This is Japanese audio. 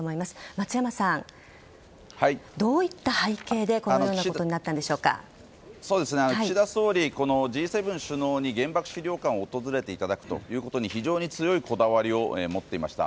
松山さん、どういった背景でこのようなことに岸田総理、Ｇ７首脳に原爆資料館を訪れていただくということに非常に強いこだわりを持っていました。